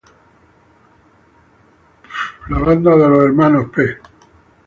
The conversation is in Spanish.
Band Brothers P".